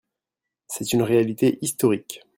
C’est une réalité historique